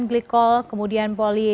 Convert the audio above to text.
dan saya kira demikian